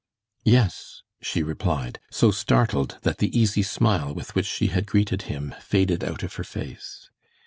"Yes," she replied, so startled that the easy smile with which she had greeted him faded out of her face.